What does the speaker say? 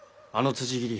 辻斬り